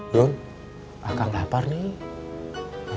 jun akang lapar nih